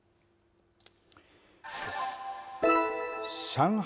上海